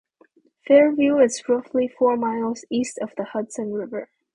Fairview is roughly four miles east of the Hudson River.